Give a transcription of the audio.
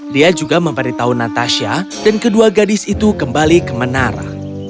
dia juga memberitahu natasha dan kedua gadis itu kembali ke menara